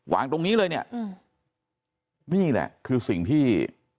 ตรงนี้เลยเนี่ยนี่แหละคือสิ่งที่